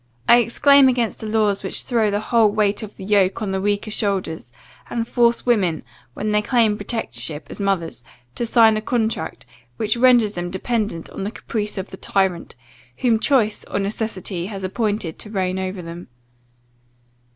I exclaim against the laws which throw the whole weight of the yoke on the weaker shoulders, and force women, when they claim protectorship as mothers, to sign a contract, which renders them dependent on the caprice of the tyrant, whom choice or necessity has appointed to reign over them.